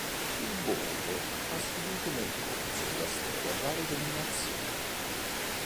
Il borgo ha subìto nel corso della storia varie dominazioni.